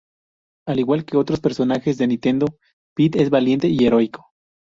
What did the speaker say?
Al igual que otros personajes de Nintendo, Pit es valiente y heroico.